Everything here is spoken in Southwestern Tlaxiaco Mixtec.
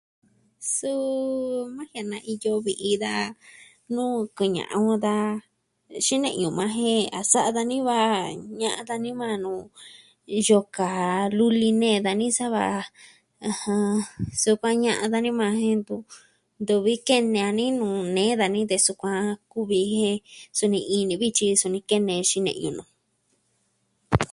Suu maa jiaa na iyo vi'i da nuu kuña'a on dajan xine'ñu maa jen a sa'a dani va ña'an dani majan nuu iin yoo kaa luli nee dani sava ɨjɨn... sukuan ña'a dani majan jen tun ntu vi kene a ni nuu nee dani de sukuan kuvi jen, suni ini vityi suni kene, xine'yu nu.